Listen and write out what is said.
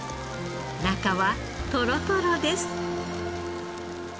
中はトロトロです。